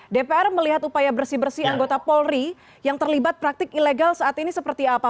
dpr melihat upaya bersih bersih anggota polri yang terlibat praktik ilegal saat ini seperti apa